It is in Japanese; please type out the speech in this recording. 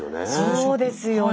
そうですよね。